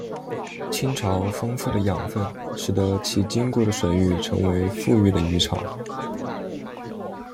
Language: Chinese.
亲潮丰富的养分使得其经过的水域成为富裕的渔场。